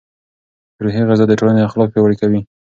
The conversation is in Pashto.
روحي غذا د ټولنې اخلاق پیاوړي کوي.